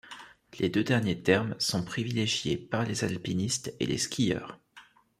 Les deux derniers termes sont privilégiés par les alpinistes et les skieurs.